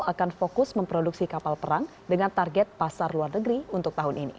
akan fokus memproduksi kapal perang dengan target pasar luar negeri untuk tahun ini